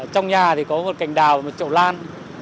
trong nhà thì có một cành đào và một chỗ lan